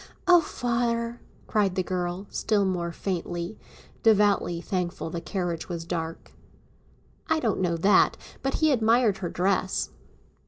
"Oh, father," cried the girl, still more faintly, devoutly thankful the carriage was dark. "I don't know that; but he admired her dress."